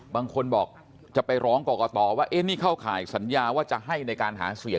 บางคนบอกจะไปร้องกรกตว่านี่เข้าข่ายสัญญาว่าจะให้ในการหาเสียง